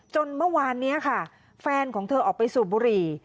จนเมื่อวานนี้ค่ะแฟนของเธอออกไปสูบบุหรี่